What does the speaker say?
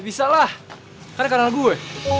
ya bisa lah kan karena gue